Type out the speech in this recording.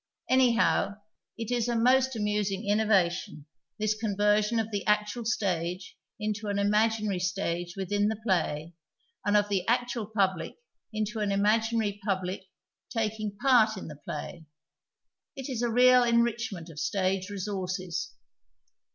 Anyhow, it is a most amusing innovation, this conversion of the actual stage into an imaginary stage within the ])lay, and of the actual public into an imaginary public taking 120 PLAYS WITHIN PLAYS part in the play. It is a real enrichment of stage resources.